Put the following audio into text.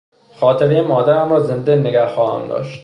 خاطرهی مادرم را زنده نگه خواهم داشت.